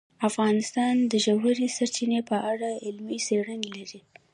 افغانستان د ژورې سرچینې په اړه علمي څېړنې لري.